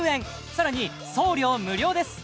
更に送料無料です